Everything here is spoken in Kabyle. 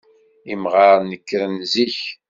Imɣaren nekkren zik.